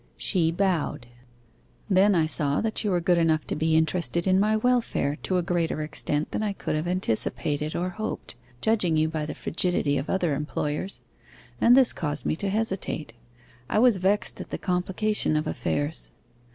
She bowed. 'Then I saw that you were good enough to be interested in my welfare to a greater extent than I could have anticipated or hoped, judging you by the frigidity of other employers, and this caused me to hesitate. I was vexed at the complication of affairs.